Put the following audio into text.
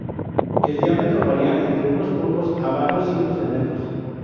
El diámetro varía entre unos pocos a varios cientos de metros.